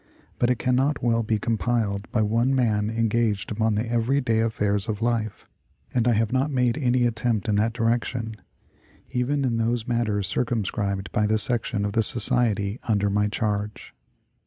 But it cannot well be compiled by one man en gaged upon the every day affairs of life, and I have not made any attempt in that direction, even in those matters circumscribed by the section of the Society under my charge.